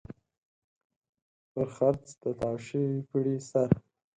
پر څرخ د تاو شوي پړي سر.